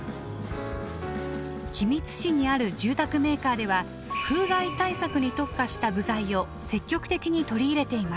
君津市にある住宅メーカーでは風害対策に特化した部材を積極的に取り入れています。